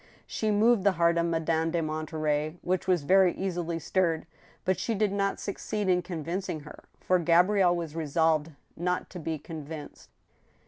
She moved the heart of Madame de Monterey, which was very easily stirred ; but she did not succeed in convincing her, for Gabri elle was resolved not to be csnvinced.